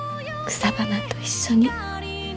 草花と一緒に。